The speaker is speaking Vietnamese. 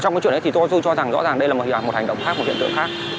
trong cái chuyện đấy thì tôi cho rằng rõ ràng đây là một hành động khác một hiện tượng khác